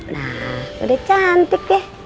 nah udah cantik deh